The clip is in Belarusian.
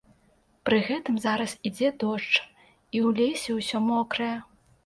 Пры гэтым зараз ідзе дождж і ў лесе ўсё мокрае.